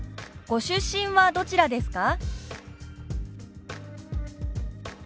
「ご出身はどちらですか？」。